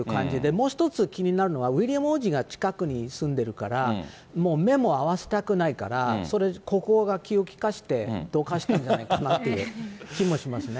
もう一つ気になるのは、ウィリアム王子が近くに住んでるから、もう、目も合わせたくないから、国王が気を利かしてどかしたんじゃないかという気もしますね。